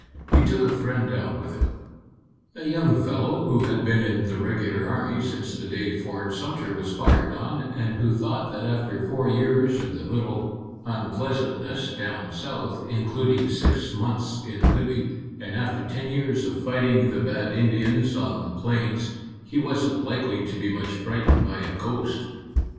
He took a friend down with him a young fellow who had been in the regular army since the day Fort Sumter was fired on, and who thought that after four years of the little unpleasantness down South, including six months in Libby, and after ten years of fighting the bad Indians on the plains, he wasn't likely to be much frightened by a ghost.